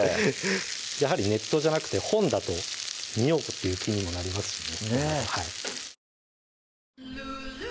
やはりネットじゃなくて本だと見ようという気にもなりますしね